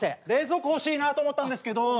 冷蔵庫欲しいなと思ったんですけど。